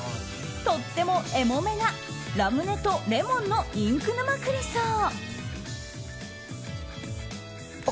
とってもエモめなラムネとレモンのインク沼クリソー。